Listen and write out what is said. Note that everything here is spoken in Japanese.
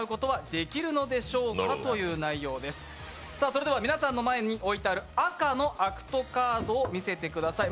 それでは皆さんの前に置いてある赤のアクトカードを見せてください。